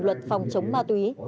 luật phòng chống ma túy